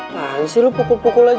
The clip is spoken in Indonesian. tahan sih lo pukul pukul aja